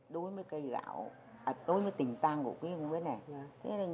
đôi mấy cây gạo à đôi mấy tỉnh tăng của quý vị mới này